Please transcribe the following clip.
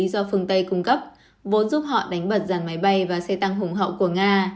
do phương tây cung cấp vốn giúp họ đánh bật dàn máy bay và xe tăng hùng hậu của nga